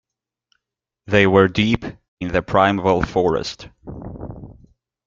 They were deep in the primeval forest.